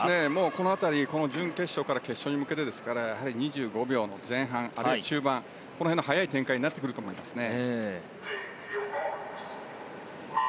この辺り、準決勝から決勝に向けてですから２５秒の前半から中盤という速い展開になってくると思いますね。